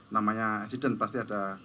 namanya asiden pasti ada